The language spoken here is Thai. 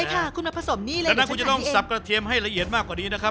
ใช่ค่ะคุณมาผสมนี่เลยดังนั้นคุณจะต้องสับกระเทียมให้ละเอียดมากกว่านี้นะครับ